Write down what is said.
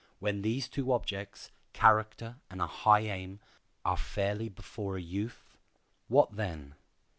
When these two objects—character and a high aim—are fairly before a youth, what then?